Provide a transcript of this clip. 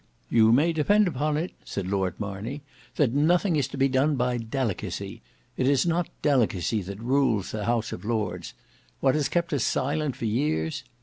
"You may depend upon it," said Lord Marney, "that nothing is to be done by delicacy. It is not delicacy that rules the House of Lords. What has kept us silent for years?